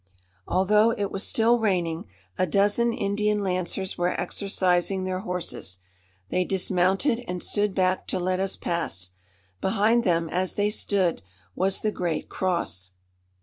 Although it was still raining, a dozen Indian Lancers were exercising their horses. They dismounted and stood back to let us pass. Behind them, as they stood, was the great Cross.